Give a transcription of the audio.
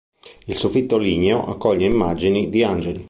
Il soffitto ligneo accoglie immagini di angeli.